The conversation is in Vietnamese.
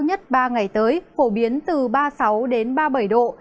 nhất ba ngày tới phổ biến từ ba mươi sáu đến ba mươi bảy độ